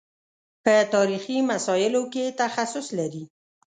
په تاریخي مسایلو کې تخصص لري.